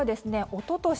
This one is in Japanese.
おととし